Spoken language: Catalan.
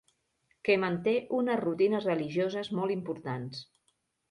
Que manté unes rutines religioses molt importants.